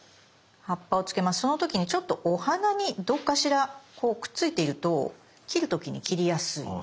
その時にちょっとお花にどっかしらこうくっついていると切る時に切りやすいので。